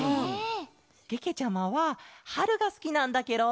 けけちゃまははるがすきなんだケロ！